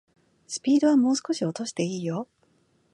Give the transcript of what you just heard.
スピードはもう少し落としていいよ